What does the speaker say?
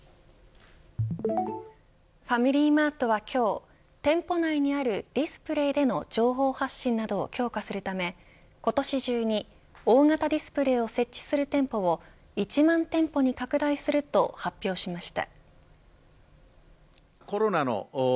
ファミリーマートは、今日店舗内にあるディスプレーでの情報発信などを強化するため今年中に大型ディスプレーを設置する店舗を１万店舗に拡大すると発表しました。